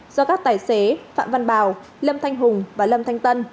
do các tài xế phạm văn bảo lâm thanh hùng và lâm thanh tân